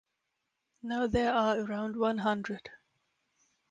Now there are around one hundred.